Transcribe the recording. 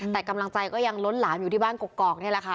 แต่กำลังใจก็ยังล้นหลามอยู่ที่บ้านกกอกนี่แหละค่ะ